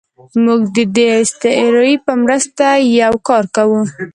موږ د دې استعارې په مرسته یو کار کوو.